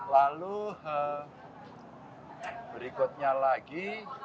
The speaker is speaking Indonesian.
lalu berikutnya lagi